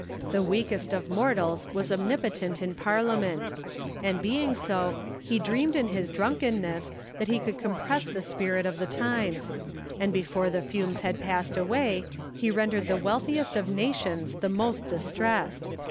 The weakest of mortals was omnipotent in Parliament ; and being so, he dreamed in his drunkenness that he could compress the spirit of the times ; and before the fumes had passed away, he rendered the wealthiest of nations the most distressed.